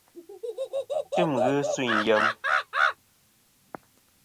Tim ghi sûyn yem.